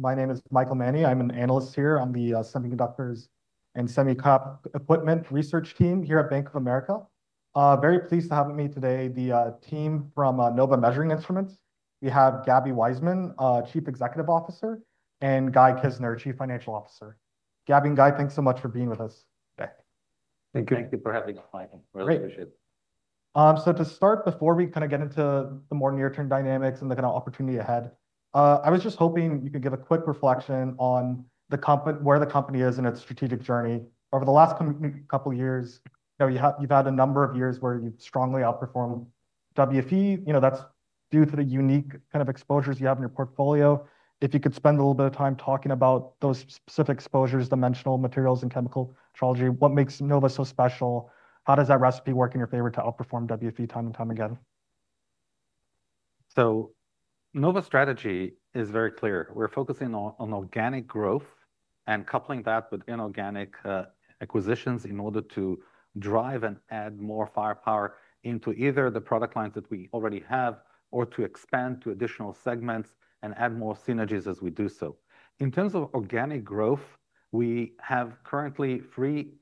My name is Michael Mani. I'm an analyst here on the Semiconductors and Semiconductor Equipment research team here at Bank of America. Very pleased to have with me today the team from Nova Ltd. We have Gaby Waisman, Chief Executive Officer, and Guy Kizner, Chief Financial Officer. Gaby and Guy, thanks so much for being with us. Thank you. Thank you for having us, Michael. Great. Really appreciate it. To start, before we get into the more near-term dynamics and the opportunity ahead, I was just hoping you could give a quick reflection on where the company is in its strategic journey. Over the last couple years, you've had a number of years where you've strongly outperformed WFE. That's due to the unique kind of exposures you have in your portfolio. If you could spend a little bit of time talking about those specific exposures, dimensional materials, and chemical metrology, what makes Nova so special? How does that recipe work in your favor to outperform WFE time and time again? Nova's strategy is very clear. We're focusing on organic growth and coupling that with inorganic acquisitions in order to drive and add more firepower into either the product lines that we already have or to expand to additional segments and add more synergies as we do so. In terms of organic growth, we have currently three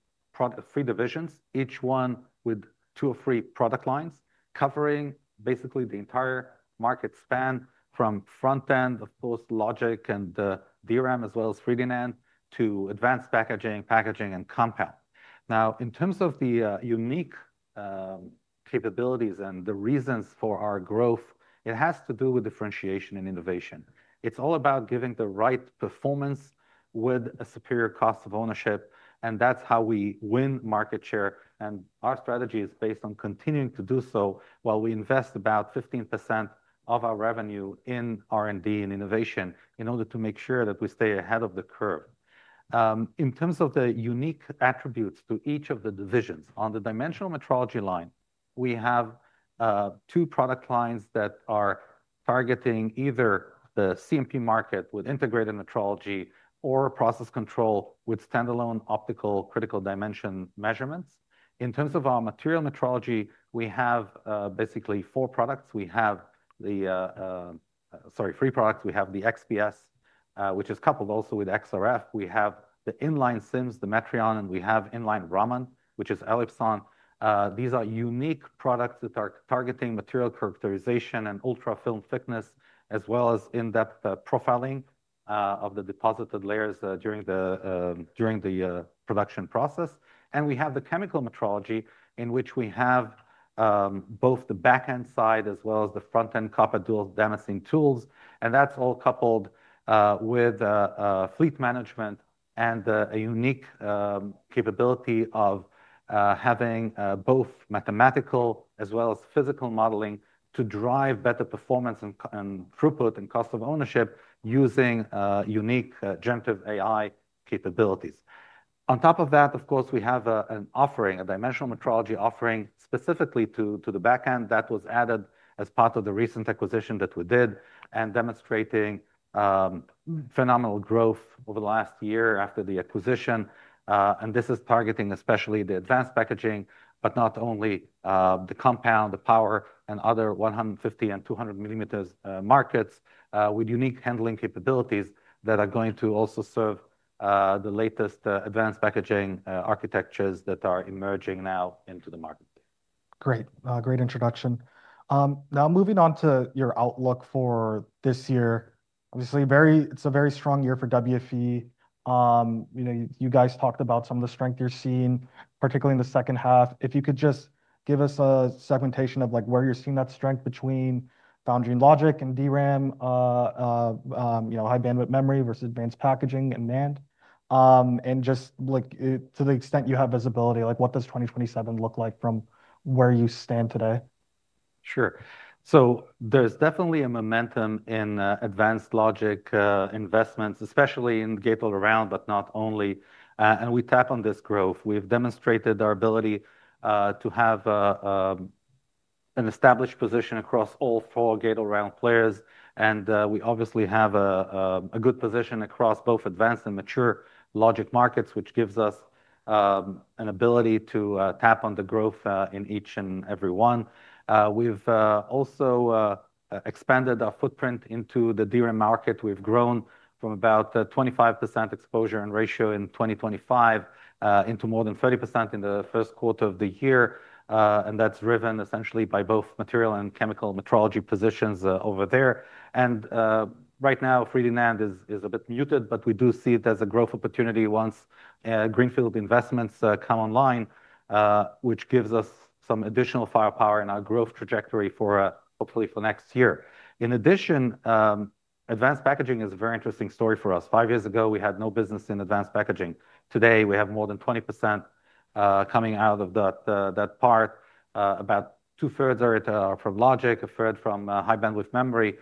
divisions, each one with two or three product lines, covering basically the entire market span from front-end, of course, logic and DRAM, as well as 3D NAND, to advanced packaging, and compound. Now, in terms of the unique capabilities and the reasons for our growth, it has to do with differentiation and innovation. It's all about giving the right performance with a superior cost of ownership, and that's how we win market share. Our strategy is based on continuing to do so while we invest about 15% of our revenue in R&D and innovation in order to make sure that we stay ahead of the curve. In terms of the unique attributes to each of the divisions, on the dimensional metrology line, we have two product lines that are targeting either the CMP market with integrated metrology or process control with standalone optical critical dimension measurements. In terms of our material metrology, we have basically four products. Sorry, three products. We have the XPS, which is coupled also with XRF. We have the in-line SIMS, the METRION, and we have in-line Raman, which is ELIPSON. These are unique products that are targeting material characterization and ultra-film thickness, as well as in-depth profiling of the deposited layers during the production process. We have the chemical metrology, in which we have both the back-end side as well as the front-end copper dual damascene tools, that's all coupled with fleet management and a unique capability of having both mathematical as well as physical modeling to drive better performance and throughput and cost of ownership using unique generative AI capabilities. On top of that, of course, we have an offering, a dimensional metrology offering specifically to the back-end that was added as part of the recent acquisition that we did, demonstrating phenomenal growth over the last year after the acquisition. This is targeting especially the advanced packaging, but not only the compound, the power, and other 150 and 200 millimeters markets, with unique handling capabilities that are going to also serve the latest advanced packaging architectures that are emerging now into the market. Great. Great introduction. Now, moving on to your outlook for this year. Obviously, it's a very strong year for WFE. You guys talked about some of the strength you're seeing, particularly in the second half. If you could just give us a segmentation of where you're seeing that strength between foundry and logic and DRAM, high bandwidth memory versus advanced packaging and NAND. Just to the extent you have visibility, what does 2027 look like from where you stand today? Sure. There's definitely a momentum in advanced logic investments, especially in gate-all-around, but not only, and we tap on this growth. We've demonstrated our ability to have an established position across all four gate-all-around players, and we obviously have a good position across both advanced and mature logic markets, which gives us an ability to tap on the growth in each and every one. We've also expanded our footprint into the DRAM market. We've grown from about 25% exposure and ratio in 2025 into more than 30% in the first quarter of the year. That's driven essentially by both material and chemical metrology positions over there. Right now, 3D NAND is a bit muted, but we do see it as a growth opportunity once greenfield investments come online, which gives us some additional firepower in our growth trajectory hopefully for next year. In addition, advanced packaging is a very interesting story for us. Five years ago, we had no business in advanced packaging. Today, we have more than 20% coming out of that part. About two-thirds are from logic, a third from high-bandwidth memory.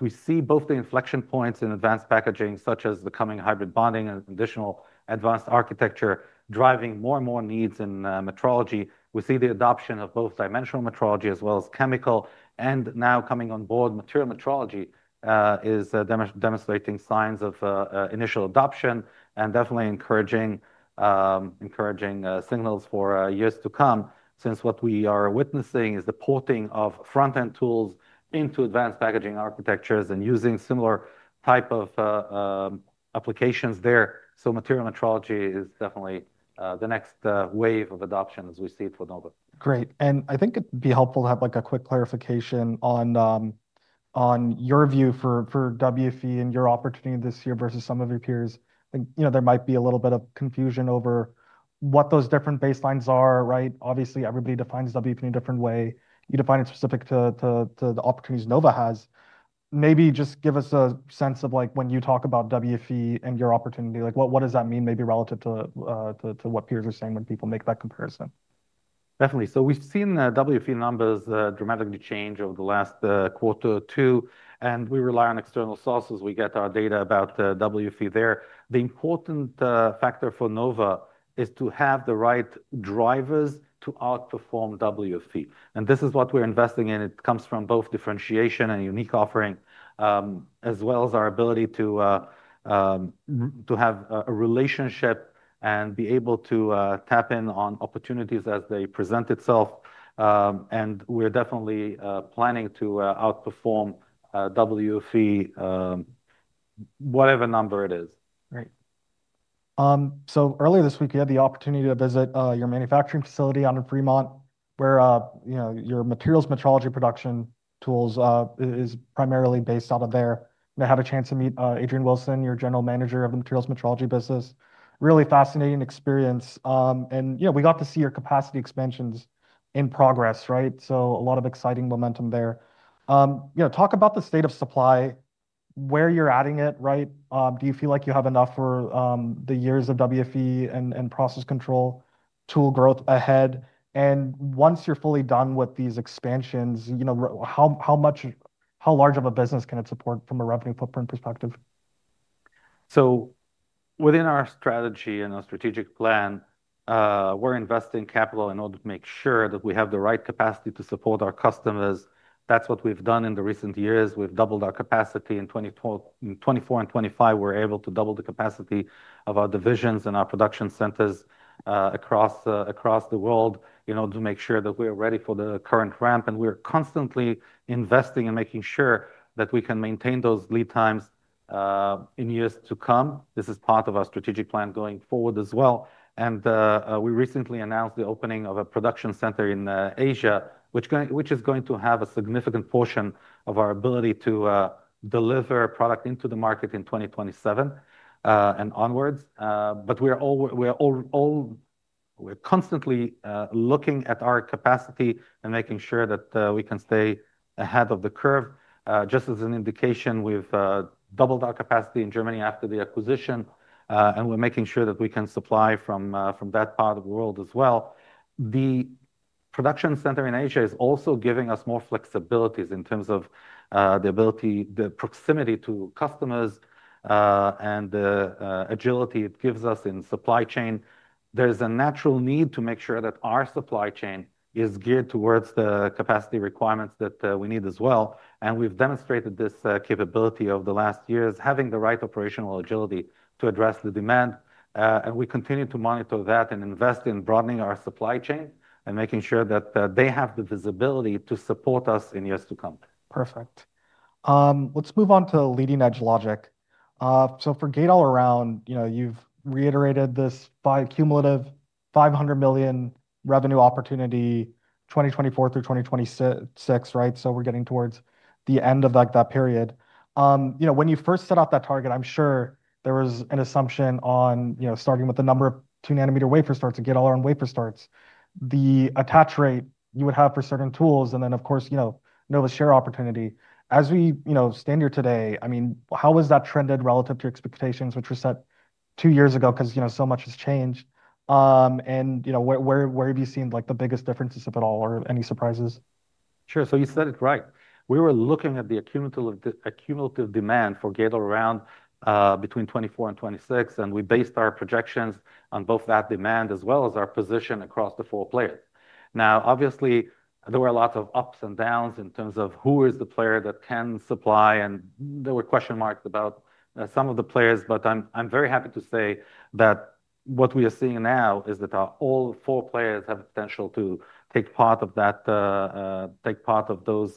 We see both the inflection points in advanced packaging, such as the coming hybrid bonding and additional advanced architecture, driving more and more needs in metrology. We see the adoption of both dimensional metrology as well as chemical. Now coming on board, material metrology is demonstrating signs of initial adoption and definitely encouraging signals for years to come since what we are witnessing is the porting of front-end tools into advanced packaging architectures and using similar type of applications there. Material metrology is definitely the next wave of adoption as we see it for Nova. Great. I think it'd be helpful to have a quick clarification on your view for WFE and your opportunity this year versus some of your peers, there might be a little bit of confusion over what those different baselines are, right? Obviously, everybody defines WFE in a different way. You define it specific to the opportunities Nova has. Maybe just give us a sense of when you talk about WFE and your opportunity, what does that mean maybe relative to what peers are saying when people make that comparison? Definitely. We've seen the WFE numbers dramatically change over the last quarter or two, and we rely on external sources. We get our data about WFE there. The important factor for Nova is to have the right drivers to outperform WFE, and this is what we're investing in. It comes from both differentiation and unique offering, as well as our ability to have a relationship and be able to tap in on opportunities as they present itself. We're definitely planning to outperform WFE, whatever number it is. Right. Earlier this week, we had the opportunity to visit your manufacturing facility out in Fremont where your materials metrology production tools is primarily based out of there. I had a chance to meet Adrian Wilson, your General Manager of the Materials Metrology Business. Really fascinating experience. We got to see your capacity expansions in progress, right? A lot of exciting momentum there. Talk about the state of supply, where you're adding it, right? Do you feel like you have enough for the years of WFE and process control tool growth ahead? Once you're fully done with these expansions, how large of a business can it support from a revenue footprint perspective? Within our strategy and our strategic plan, we're investing capital in order to make sure that we have the right capacity to support our customers. That's what we've done in the recent years. We've doubled our capacity. In 2024 and 2025, we're able to double the capacity of our divisions and our production centers across the world to make sure that we're ready for the current ramp. We're constantly investing and making sure that we can maintain those lead times in years to come. This is part of our strategic plan going forward as well. We recently announced the opening of a production center in Asia, which is going to have a significant portion of our ability to deliver product into the market in 2027, and onwards. We're constantly looking at our capacity and making sure that we can stay ahead of the curve. Just as an indication, we've doubled our capacity in Germany after the acquisition, and we're making sure that we can supply from that part of the world as well. The production center in Asia is also giving us more flexibilities in terms of the proximity to customers, and the agility it gives us in supply chain. There's a natural need to make sure that our supply chain is geared towards the capacity requirements that we need as well, and we've demonstrated this capability over the last years, having the right operational agility to address the demand. We continue to monitor that and invest in broadening our supply chain and making sure that they have the visibility to support us in years to come. Perfect. Let's move on to leading-edge logic. For gate-all-around, you've reiterated this cumulative $500 million revenue opportunity, 2024 through 2026, right? We're getting towards the end of that period. When you first set out that target, I'm sure there was an assumption on starting with the number of 2 nanometer wafer starts to get all-around wafer starts, the attach rate you would have for certain tools, and then of course, Nova's share opportunity. As we stand here today, how has that trended relative to expectations, which were set two years ago because so much has changed? Where have you seen the biggest differences, if at all, or any surprises? Sure. You said it right. We were looking at the accumulative demand for gate-all-around between 2024 and 2026, and we based our projections on both that demand as well as our position across the four players. Now obviously, there were a lot of ups and downs in terms of who is the player that can supply, and there were question marks about some of the players. I'm very happy to say that what we are seeing now is that all four players have the potential to take part of those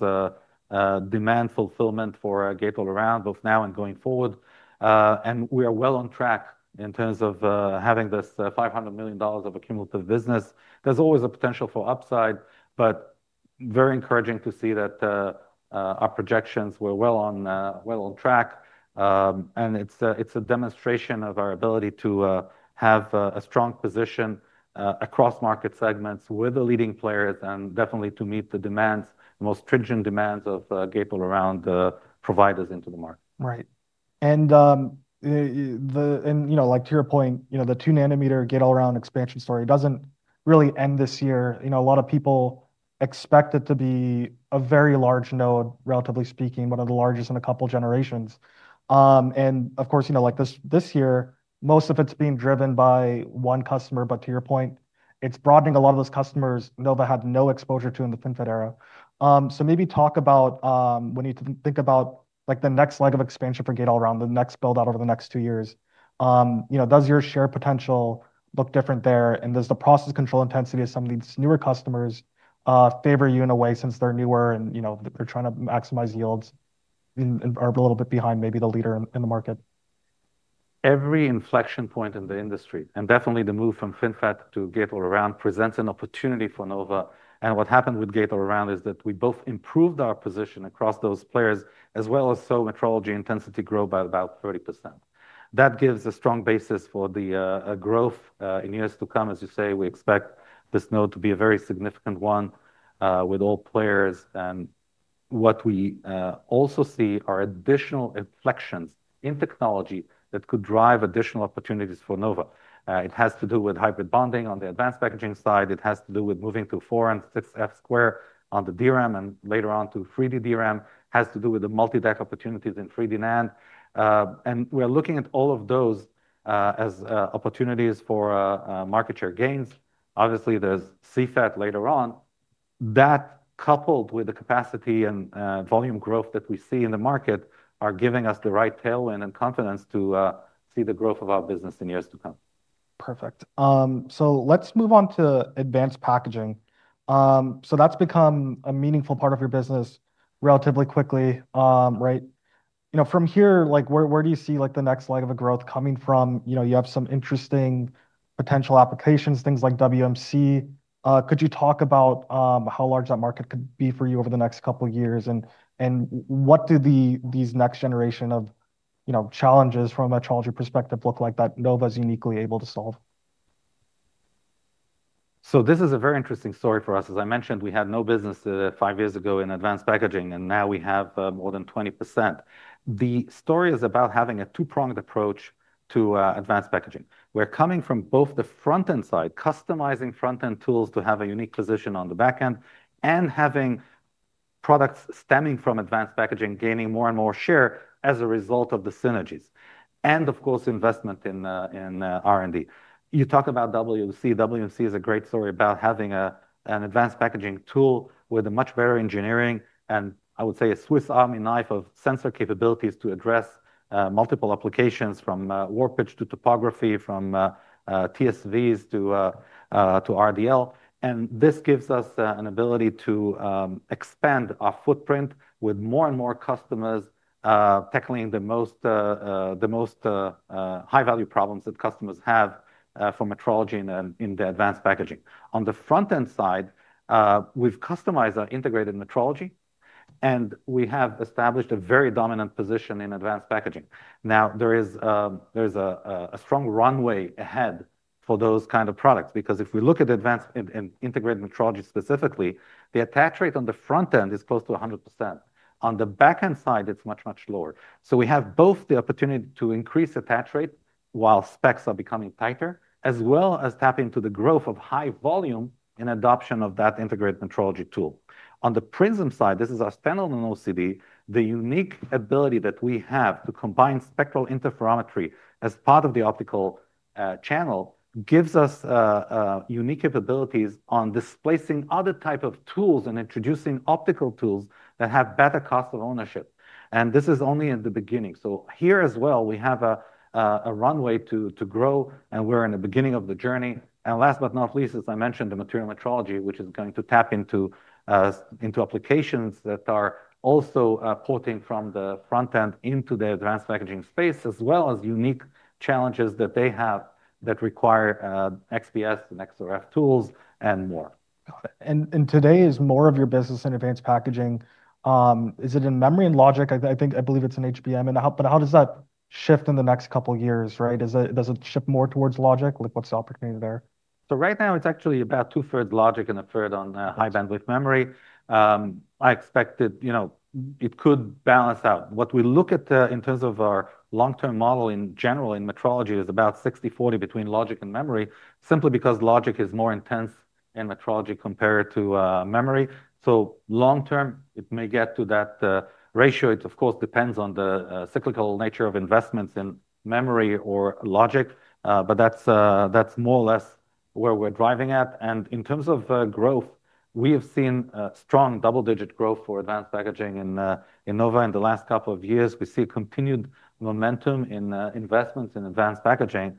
demand fulfillment for gate-all-around, both now and going forward. And we are well on track in terms of having this $500 million of accumulative business. There's always a potential for upside, but very encouraging to see that our projections were well on track. It's a demonstration of our ability to have a strong position across market segments with the leading players and definitely to meet the demands, the most stringent demands of gate-all-around providers into the market. Right. To your point, the 2 nanometer gate-all-around expansion story doesn't really end this year. A lot of people expect it to be a very large node, relatively speaking, one of the largest in a couple generations. Of course, this year, most of it's being driven by one customer. To your point, it's broadening a lot of those customers Nova had no exposure to in the FinFET era. Maybe talk about, when you think about the next leg of expansion for gate-all-around, the next build-out over the next two years, does your share potential look different there? Does the process control intensity of some of these newer customers favor you in a way since they're newer and they're trying to maximize yields and are a little bit behind maybe the leader in the market? Every inflection point in the industry, definitely the move from FinFET to gate-all-around presents an opportunity for Nova. What happened with gate-all-around is that we both improved our position across those players as well as saw metrology intensity grow by about 30%. That gives a strong basis for the growth in years to come. As you say, we expect this node to be a very significant one with all players. What we also see are additional inflections in technology that could drive additional opportunities for Nova. It has to do with hybrid bonding on the advanced packaging side, it has to do with moving to 4 and 6 F² on the DRAM, and later on to 3D DRAM, has to do with the multi-deck opportunities in 3D NAND. We're looking at all of those as opportunities for market share gains. Obviously, there's CFET later on. That, coupled with the capacity and volume growth that we see in the market, are giving us the right tailwind and confidence to see the growth of our business in years to come. Perfect. Let's move on to advanced packaging. That's become a meaningful part of your business relatively quickly, right? From here, where do you see the next leg of a growth coming from? You have some interesting potential applications, things like WMC. Could you talk about how large that market could be for you over the next couple of years, and what do these next generation of challenges from a metrology perspective look like that Nova's uniquely able to solve? This is a very interesting story for us. As I mentioned, we had no business five years ago in advanced packaging, and now we have more than 20%. The story is about having a two-pronged approach to advanced packaging. We're coming from both the front-end side, customizing front-end tools to have a unique position on the back end, and having products stemming from advanced packaging gaining more and more share as a result of the synergies. Of course, investment in R&D. You talk about WMC. WMC is a great story about having an advanced packaging tool with a much better engineering, and I would say a Swiss Army knife of sensor capabilities to address multiple applications from warpage to topography, from TSVs to RDL. This gives us an ability to expand our footprint with more and more customers, tackling the most high-value problems that customers have for metrology in the advanced packaging. On the front-end side, we've customized our integrated metrology, and we have established a very dominant position in advanced packaging. There's a strong runway ahead for those kind of products, because if we look at advanced and integrated metrology specifically, the attach rate on the front end is close to 100%. On the back-end side, it's much, much lower. We have both the opportunity to increase attach rate while specs are becoming tighter, as well as tap into the growth of high volume and adoption of that integrated metrology tool. On the PRISM side, this is our phenomenal OCD, the unique ability that we have to combine spectral interferometry as part of the optical channel gives us unique capabilities on displacing other type of tools and introducing optical tools that have better cost of ownership. This is only in the beginning. Here as well, we have a runway to grow, and we're in the beginning of the journey. Last but not least, as I mentioned, the materials metrology, which is going to tap into applications that are also porting from the front end into the advanced packaging space, as well as unique challenges that they have that require XPS and XRF tools and more. Got it. Today is more of your business in advanced packaging. Is it in memory and logic? I believe it's in HBM, but how does that shift in the next couple of years, right? Does it shift more towards logic? What's the opportunity there? Right now, it's actually about two-thirds logic and a third on high bandwidth memory. I expect that it could balance out. What we look at in terms of our long-term model in general in metrology is about 60-40 between logic and memory, simply because logic is more intense in metrology compared to memory. Long term, it may get to that ratio. It, of course, depends on the cyclical nature of investments in memory or logic. That's more or less where we're driving at. In terms of growth, we have seen a strong double-digit growth for advanced packaging in Nova in the last couple of years. We see continued momentum in investments in advanced packaging.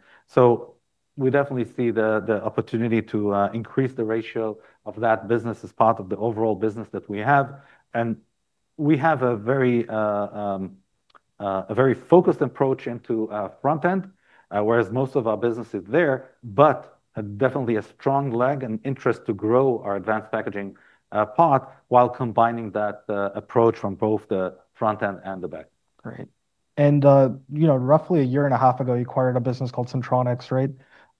We definitely see the opportunity to increase the ratio of that business as part of the overall business that we have. We have a very focused approach into front-end, whereas most of our business is there, but definitely a strong leg and interest to grow our advanced packaging part while combining that approach from both the front end and the back. Great. Roughly a year and a half ago, you acquired a business called Sentronix, right?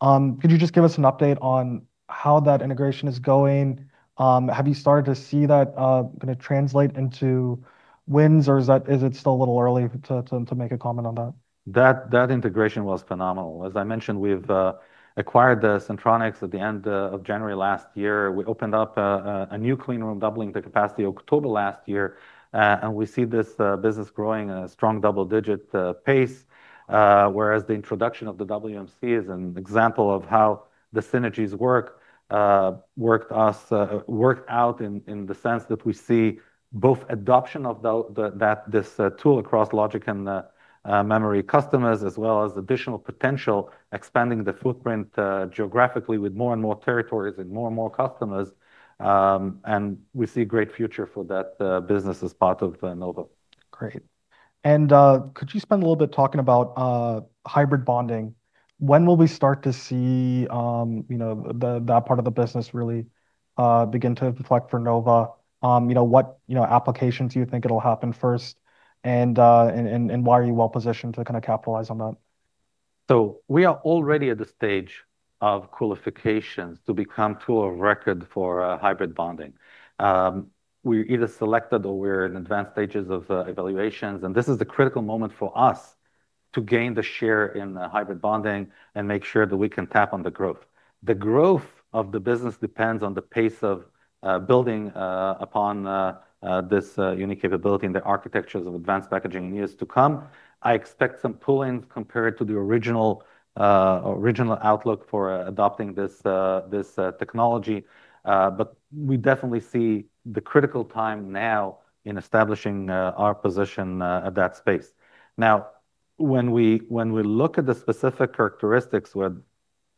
Could you just give us an update on how that integration is going? Have you started to see that going to translate into wins, or is it still a little early to make a comment on that? That integration was phenomenal. As I mentioned, we've acquired Sentronix at the end of January last year. We opened up a new clean room doubling the capacity October last year. We see this business growing a strong double-digit pace, whereas the introduction of the WMC is an example of how the synergies worked out in the sense that we see both adoption of this tool across logic and memory customers, as well as additional potential expanding the footprint geographically with more and more territories and more and more customers. We see a great future for that business as part of Nova. Great. Could you spend a little bit talking about hybrid bonding? When will we start to see that part of the business really begin to reflect for Nova? What applications do you think it will happen first, and why are you well-positioned to capitalize on that? We are already at the stage of qualifications to become tool of record for hybrid bonding. We're either selected or we're in advanced stages of evaluations, and this is the critical moment for us to gain the share in the hybrid bonding and make sure that we can tap on the growth. The growth of the business depends on the pace of building upon this unique capability and the architectures of advanced packaging in years to come. I expect some pull-ins compared to the original outlook for adopting this technology. We definitely see the critical time now in establishing our position at that space. When we look at the specific characteristics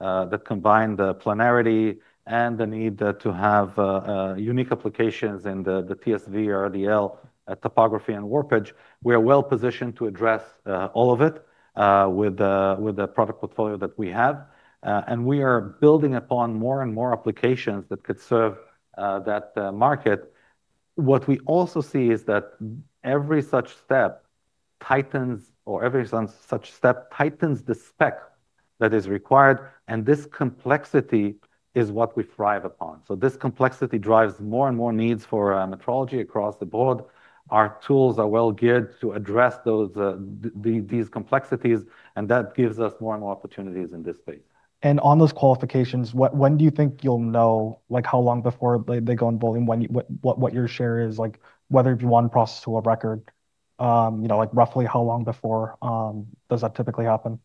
that combine the planarity and the need to have unique applications in the TSV or the L topography and warpage, we are well positioned to address all of it with the product portfolio that we have. We are building upon more and more applications that could serve that market. What we also see is that every such step tightens the spec that is required, and this complexity is what we thrive upon. This complexity drives more and more needs for metrology across the board. Our tools are well geared to address these complexities, and that gives us more and more opportunities in this space. On those qualifications, when do you think you'll know, how long before they go in volume, what your share is? Whether it be one process to a record, roughly how long before does that typically happen?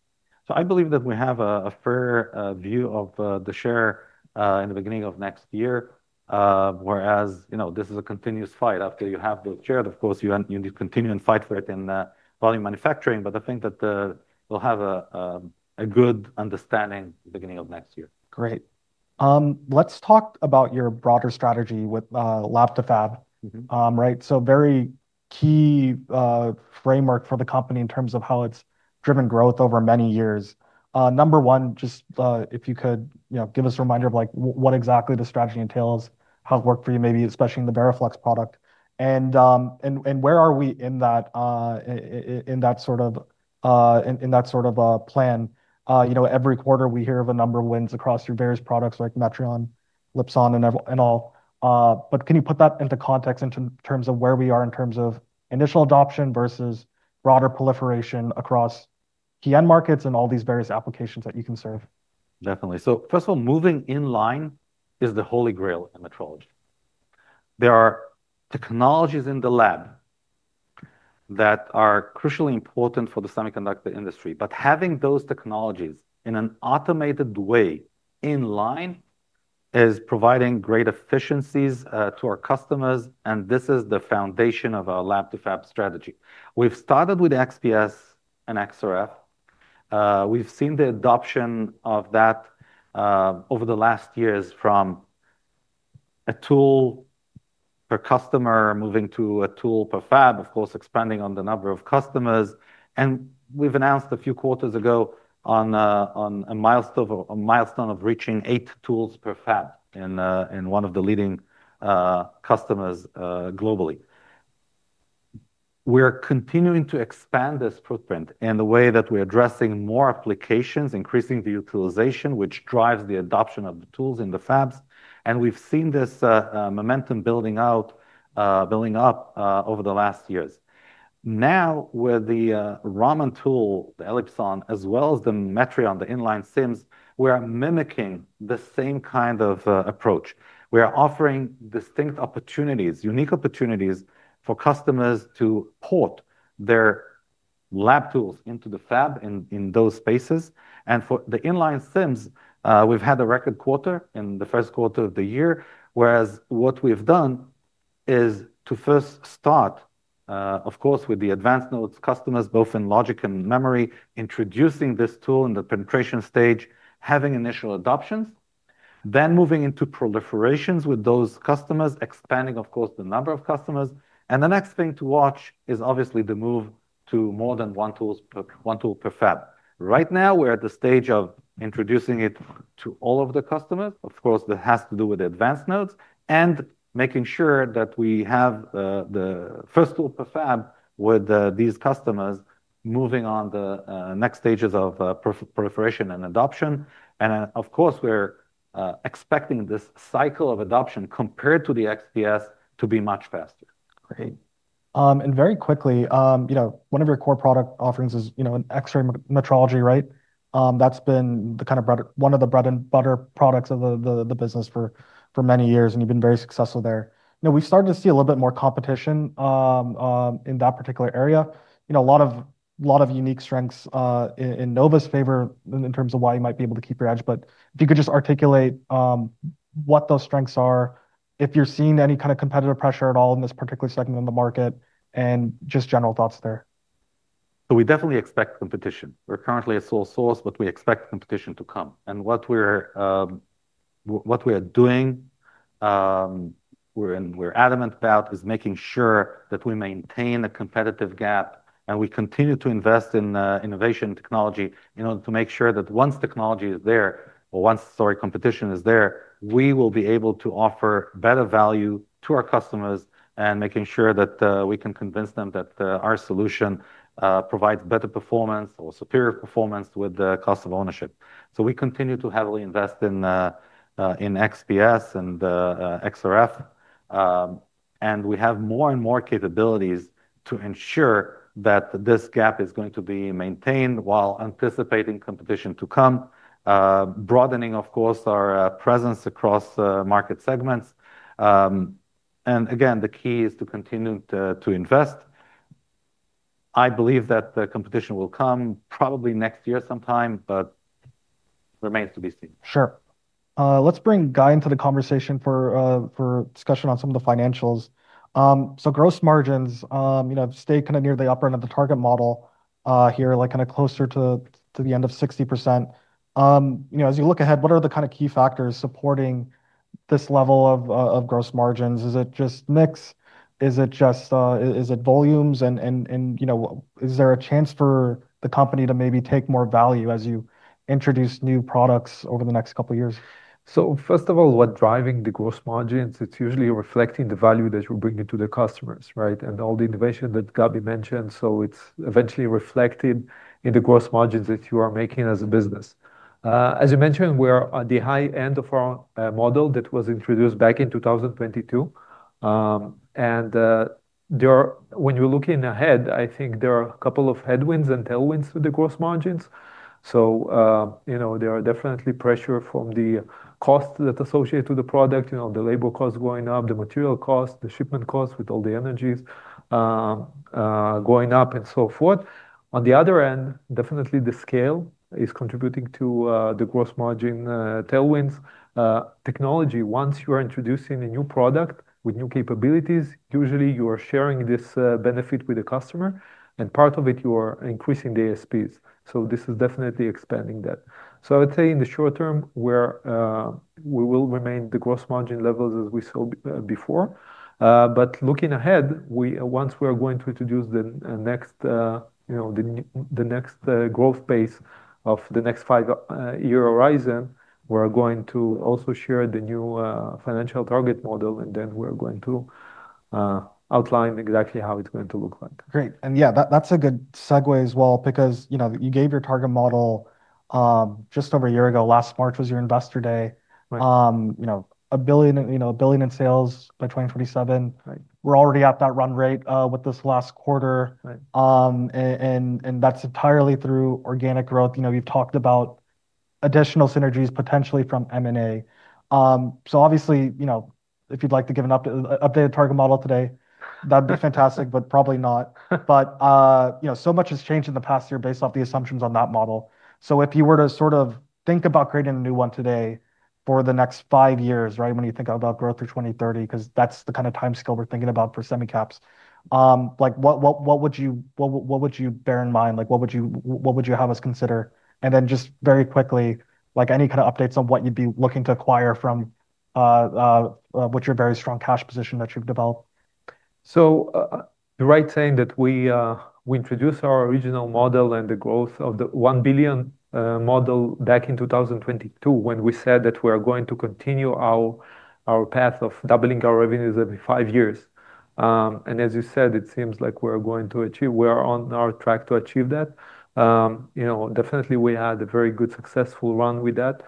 I believe that we have a fair view of the share in the beginning of next year. This is a continuous fight. After you have the share, of course, you need to continue and fight for it in volume manufacturing. I think that we'll have a good understanding the beginning of next year. Great. Let's talk about your broader strategy with Lab2Fab. Very key framework for the company in terms of how it's driven growth over many years. Number one, just if you could give us a reminder of what exactly the strategy entails, how it's worked for you, maybe especially in the VERAFLEX product, and where are we in that sort of plan? Every quarter, we hear of a number of wins across your various products like METRION, ELIPSON and all. Can you put that into context in terms of where we are in terms of initial adoption versus broader proliferation across key end markets and all these various applications that you can serve? Definitely. First of all, moving in line is the holy grail in metrology. There are technologies in the lab that are crucially important for the semiconductor industry. Having those technologies in an automated way in line is providing great efficiencies to our customers, and this is the foundation of our Lab2Fab strategy. We've started with XPS and XRF. We've seen the adoption of that over the last years from a tool per customer, moving to a tool per fab, of course, expanding on the number of customers. We've announced a few quarters ago on a milestone of reaching 8 tools per fab in one of the leading customers globally. We are continuing to expand this footprint, the way that we're addressing more applications, increasing the utilization, which drives the adoption of the tools in the fabs. We've seen this momentum building up over the last years. Now, with the Raman tool, the ELIPSON, as well as the METRION, the inline SIMS, we are mimicking the same kind of approach. We are offering distinct opportunities, unique opportunities for customers to port their lab tools into the fab in those spaces. For the inline SIMS, we've had a record quarter in the first quarter of the year. Whereas what we've done is to first start, of course, with the advanced nodes customers, both in logic and memory, introducing this tool in the penetration stage, having initial adoptions, then moving into proliferations with those customers, expanding, of course, the number of customers. The next thing to watch is obviously the move to more than one tool per fab. Right now, we're at the stage of introducing it to all of the customers. Of course, that has to do with the advanced nodes and making sure that we have the first tool per fab with these customers moving on the next stages of proliferation and adoption. Of course, we're expecting this cycle of adoption compared to the XPS to be much faster. Great. Very quickly, one of your core product offerings is an X-ray metrology, right? That's been one of the bread and butter products of the business for many years, and you've been very successful there. We've started to see a little bit more competition in that particular area. A lot of unique strengths in Nova's favor in terms of why you might be able to keep your edge, if you could just articulate what those strengths are, if you're seeing any kind of competitive pressure at all in this particular segment in the market, and just general thoughts there. We definitely expect competition. We're currently a sole source, but we expect competition to come. What we are doing, we're adamant about, is making sure that we maintain a competitive gap and we continue to invest in innovation technology, to make sure that once technology is there, or once, sorry, competition is there, we will be able to offer better value to our customers and making sure that we can convince them that our solution provides better performance or superior performance with the cost of ownership. We continue to heavily invest in XPS and XRF. We have more and more capabilities to ensure that this gap is going to be maintained while anticipating competition to come, broadening, of course, our presence across the market segments. Again, the key is to continue to invest. I believe that the competition will come probably next year sometime. Remains to be seen. Sure. Let's bring Guy into the conversation for discussion on some of the financials. Gross margins stay kind of near the upper end of the target model here, kind of closer to the end of 60%. As you look ahead, what are the kind of key factors supporting this level of gross margins? Is it just mix? Is it volumes? Is there a chance for the company to maybe take more value as you introduce new products over the next couple of years? First of all, what's driving the gross margins, it's usually reflecting the value that you're bringing to the customers, right? All the innovation that Gaby mentioned, it's eventually reflected in the gross margins that you are making as a business. As you mentioned, we are at the high end of our model that was introduced back in 2022. When you're looking ahead, I think there are a couple of headwinds and tailwinds to the gross margins. There are definitely pressure from the costs that associate to the product, the labor costs going up, the material cost, the shipment costs with all the energies going up, and so forth. On the other end, definitely the scale is contributing to the gross margin tailwinds. Technology, once you are introducing a new product with new capabilities, usually you are sharing this benefit with the customer. Part of it, you are increasing the ASPs. This is definitely expanding that. I would say in the short term, we will remain the gross margin levels as we saw before. Looking ahead, once we are going to introduce the next growth phase of the next five-year horizon, we are going to also share the new financial target model, and then we're going to outline exactly how it's going to look like. Great. Yeah, that's a good segue as well because you gave your target model just over a year ago. Last March was your investor day. Right. $1 billion in sales by 2027. Right. We're already at that run rate with this last quarter. Right. That's entirely through organic growth. You've talked about additional synergies potentially from M&A. Obviously, if you'd like to give an updated target model today, that'd be fantastic, but probably not. So much has changed in the past year based off the assumptions on that model. If you were to sort of think about creating a new one today for the next five years, right? When you think about growth through 2030, because that's the kind of timescale we're thinking about for semicaps. What would you bear in mind? What would you have us consider? Just very quickly, any kind of updates on what you'd be looking to acquire from with your very strong cash position that you've developed? You're right saying that we introduced our original model and the growth of the $1 billion model back in 2022, when we said that we are going to continue our path of doubling our revenues every five years. As you said, it seems like we are on our track to achieve that. Definitely we had a very good, successful run with that,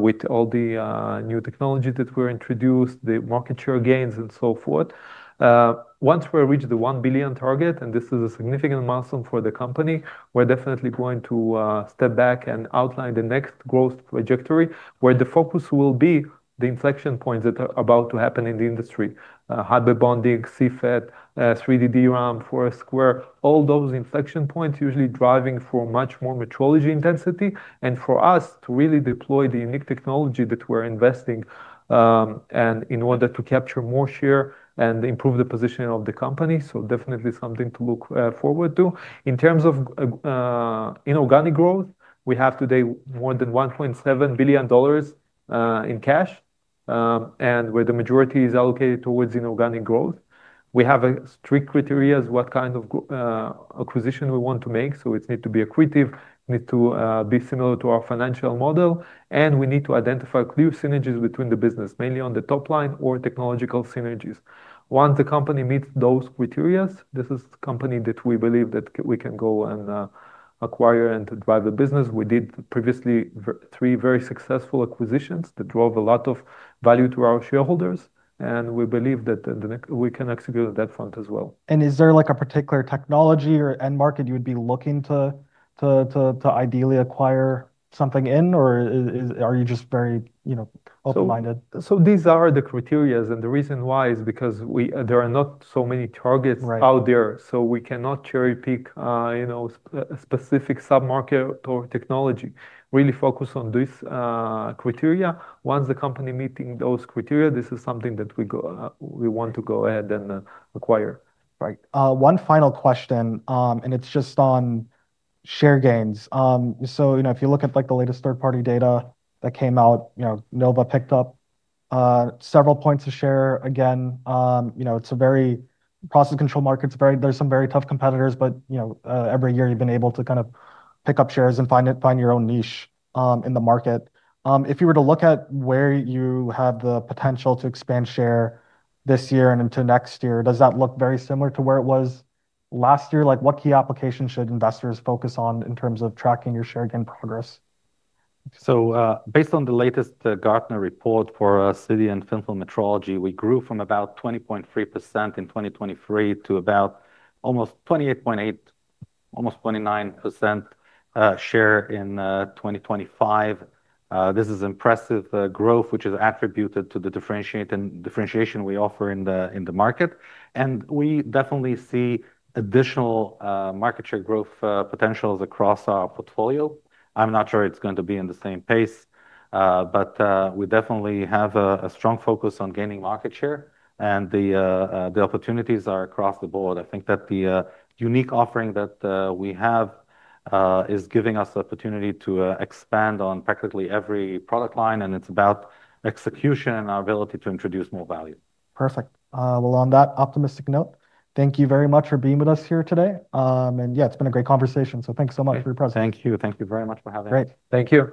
with all the new technology that we introduced, the market share gains and so forth. Once we reach the $1 billion target, and this is a significant milestone for the company, we're definitely going to step back and outline the next growth trajectory, where the focus will be the inflection points that are about to happen in the industry. Hybrid bonding, CFET, 3D DRAM, 4F², all those inflection points usually driving for much more metrology intensity. For us to really deploy the unique technology that we're investing, and in order to capture more share and improve the positioning of the company. Definitely something to look forward to. In terms of inorganic growth, we have today more than $1.7 billion in cash, and where the majority is allocated towards inorganic growth. We have a strict criteria as what kind of acquisition we want to make. It needs to be accretive, need to be similar to our financial model, and we need to identify clear synergies between the business, mainly on the top line or technological synergies. Once the company meets those criteria, this is the company that we believe that we can go and acquire and drive the business. We did previously three very successful acquisitions that drove a lot of value to our shareholders, and we believe that we can execute at that front as well. Is there a particular technology or end market you would be looking to ideally acquire something in? Are you just very open-minded? These are the criteria, and the reason why is because there are not so many targets. Right out there, so we cannot cherry-pick specific sub-market or technology, really focus on these criteria. Once the company meeting those criteria, this is something that we want to go ahead and acquire. Right. One final question, and it's just on share gains. If you look at the latest third-party data that came out, Nova picked up several points of share again. Process control market. There's some very tough competitors, but every year you've been able to kind of pick up shares and find your own niche in the market. If you were to look at where you have the potential to expand share this year and into next year, does that look very similar to where it was last year? What key applications should investors focus on in terms of tracking your share gain progress? Based on the latest Gartner report for CD and thin film metrology, we grew from about 20.3% in 2023 to about almost 28.8%, almost 29%, share in 2025. This is impressive growth, which is attributed to the differentiation we offer in the market. We definitely see additional market share growth potentials across our portfolio. I'm not sure it's going to be in the same pace, but we definitely have a strong focus on gaining market share, and the opportunities are across the board. I think that the unique offering that we have is giving us the opportunity to expand on practically every product line, and it's about execution and our ability to introduce more value. Perfect. Well, on that optimistic note, thank you very much for being with us here today. Yeah, it's been a great conversation, so thanks so much for your presence. Thank you. Thank you very much for having me. Great. Thank you.